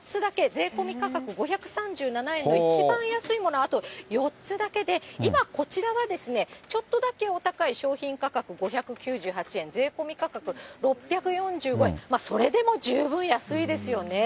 税込み価格５３７円の一番安いもの、あと４つだけで、今、こちらはちょっとだけお高い商品価格５９８円、税込み価格６４５円、それでも十分安いですよね。